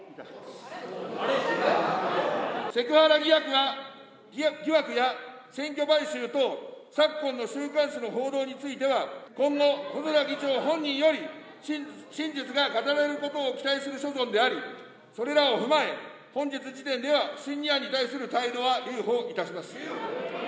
セクハラ疑惑や選挙買収等、昨今の週刊誌の報道については、今後、細田議長本人より真実が語られることを期待する所存であり、それらを踏まえ、本日時点では不信任案に対する態度は留保いたします。